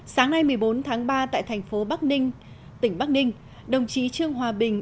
sáng nay một mươi bốn tháng ba tại thành phố bắc ninh tỉnh bắc ninh đồng chí trương hòa bình